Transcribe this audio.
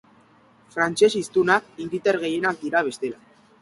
Frantses hiztunak hiritar gehienak dira bestela.